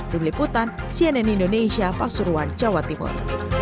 tim liputan cnn indonesia pak suruhan jawa timur